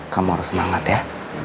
kamu harus semangat ya